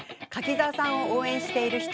柿澤さんを応援している１人。